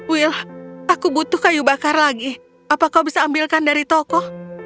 will aku butuh kayu bakar lagi apa kau bisa ambilkan dari toko